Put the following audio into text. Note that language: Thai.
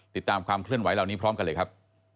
ติดตามความเคลื่อนไหวเหล่านี้พร้อมกันเลยครับ